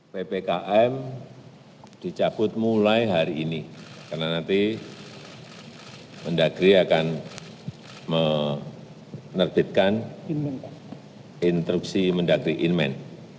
ppkm dicabut mulai hari ini karena nanti mendagri akan menerbitkan instruksi mendagri inmen